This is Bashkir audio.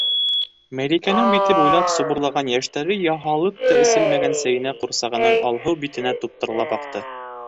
Мәликәнең бите буйлап субырлаған йәштәре яһалып та эселмәгән сәйенә, ҡурсағының алһыу битенә туптырлап аҡты.